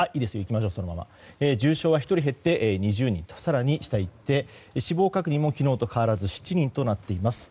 重症は１人減って２０人更に死亡確認も昨日と変わらず７人となっています。